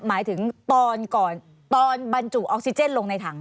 หมายถึงตอนก่อนตอนบรรจุออกซิเจนลงในถัง